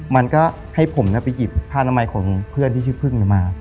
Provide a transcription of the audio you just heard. มันก็ให้ผมไปหยิบผ้านามัยของเพื่อนที่ชื่อพึ่งมา